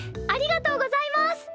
ありがとうございます！